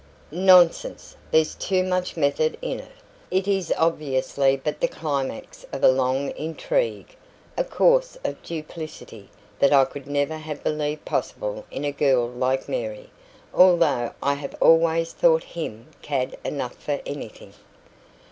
"Nonsense! There's too much method in it. It is obviously but the climax of a long intrigue a course of duplicity that I could never have believed possible in a girl like Mary, although I have always thought HIM cad enough for anything."